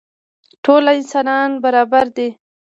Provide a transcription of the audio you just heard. ټول انسانان برابر دي.